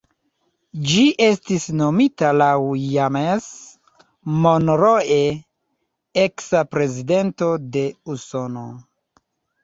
Ĝi estis nomita laŭ James Monroe, eksa prezidento de Usono.